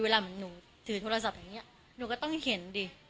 เวลามันหนูถือโทรศัพท์เท่านี้เห็นก่อนหนูก็ต้องเห็น